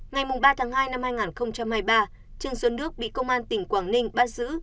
ngày ba tháng hai năm hai nghìn hai mươi ba trương xuân đức bị công an tỉnh quảng ninh bắt giữ